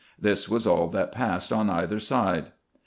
This was all that passed on either side.